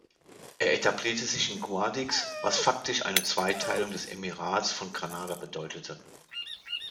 Er etablierte sich in Guadix, was faktisch eine Zweiteilung des Emirats von Granada bedeutete.